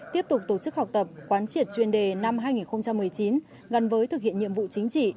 tiếp tục tổ chức học tập quán triệt chuyên đề năm hai nghìn một mươi chín gắn với thực hiện nhiệm vụ chính trị